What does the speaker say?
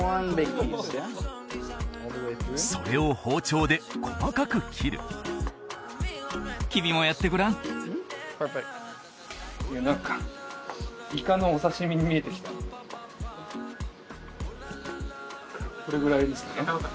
それを包丁で細かく切る君もやってごらんいや何かイカのお刺身に見えてきたこれぐらいですか？